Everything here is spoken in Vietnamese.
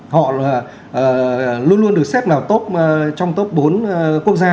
họ luôn luôn được xếp vào top trong top bốn quốc gia